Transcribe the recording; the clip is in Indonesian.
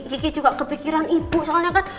kiki juga kepikiran ibu soalnya kan